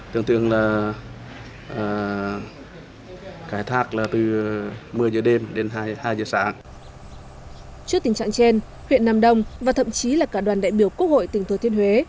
trước tình trạng trên huyện nam đông và thậm chí là cả đoàn đại biểu quốc hội tỉnh thừa thiên huế